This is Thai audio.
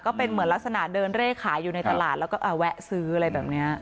ก็เป็นเหมือนลักษณะเดินเร่ขายอยู่ในตลาดแล้วก็แวะซื้ออะไรแบบนี้